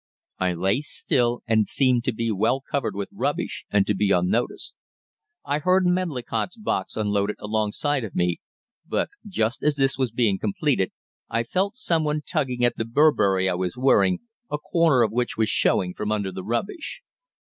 I lay still, and seemed to be well covered with rubbish and to be unnoticed. I heard Medlicott's box unloaded alongside of me, but just as this was being completed I felt some one tugging at the Burberry I was wearing, a corner of which was showing from under the rubbish.